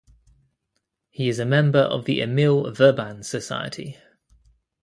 He is a member of the Emil Verban Society.